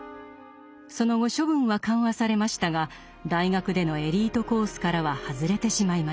その後処分は緩和されましたが大学でのエリートコースからは外れてしまいました。